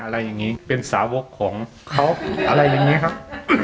อะไรอย่างนี้เป็นสาวกของเขาอะไรอย่างนี้ครับ